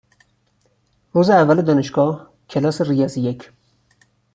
روز اول دانشگاه، کلاس ریاضی یک؛